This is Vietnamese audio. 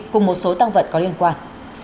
cùng một số tăng vật có liên quan